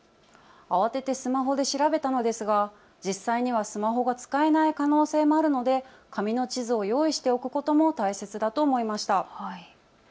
慌ててスマホで調べたのですが実際にはスマホが使えない可能性もあるので紙の地図を用意しておくことも大切だと思いました。